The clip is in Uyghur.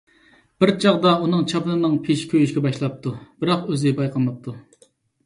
بىر چاغدا ئۇنىڭ چاپىنىنىڭ پېشى كۆيۈشكە باشلاپتۇ، بىراق ئۆزى بايقىماپتۇ.